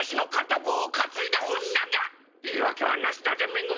言い訳はなしだぜ恵。